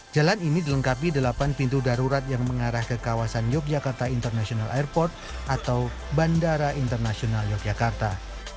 jalan ini dilengkapi delapan pintu darurat yang mengarah ke kawasan yogyakarta international airport atau bandara internasional yogyakarta